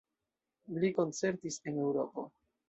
Li koncertis en Eŭropo.